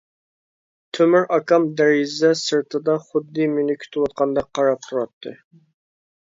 تۆمۈر ئاكام دېرىزە سىرتىدا خۇددى مېنى كۈتۈۋاتقاندەك قاراپ تۇراتتى.